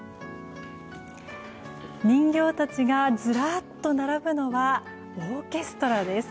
人形たちがずらっと並ぶのはオーケストラです。